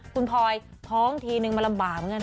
คุณพลอยท้องทีนึงมันลำบากเหมือนกันนะ